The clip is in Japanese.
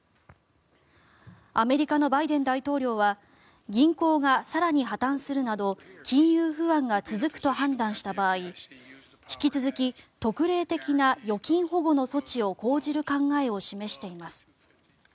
アメリカのバイデン大統領は銀行が更に破たんするなど金融不安が続くと判断した場合引き続き、特例的な預金保護の措置を講じる考えを示しています。